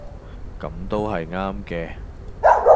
噉都係啱嘅